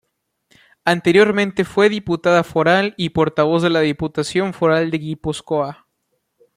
Anteriormente fue Diputada Foral y portavoz de la Diputación Foral de Gipuzkoa.